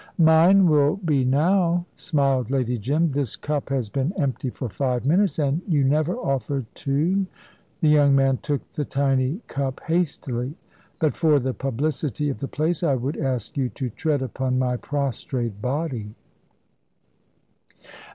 "Mine will be now," smiled Lady Jim. "This cup has been empty for five minutes, and you never offered to " The young man took the tiny cup hastily. "But for the publicity of the place, I would ask you to tread upon my prostrate body."